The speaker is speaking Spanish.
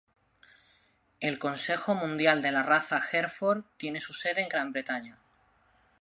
El consejo mundial de la raza Hereford tiene su sede en Gran Bretaña.